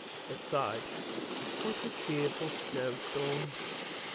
" it sighed; " what a fearful snow storm."